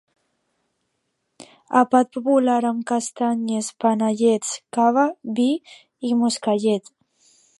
Àpat popular amb castanyes, panellets, cava, vi i moscatell.